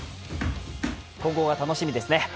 今後が楽しみですね。